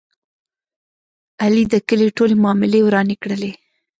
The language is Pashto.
علي د کلي ټولې معاملې ورانې کړلې.